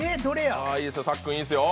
さっくんいいですよ。